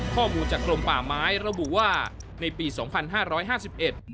ข้อมูลจากกรมป่าไม้ระบุว่าในปีสองพันห้าร้อยห้าสิบเอ็ด